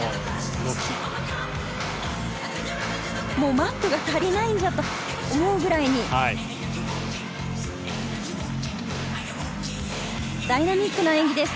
マットが足りないと思うくらいにダイナミックな演技です。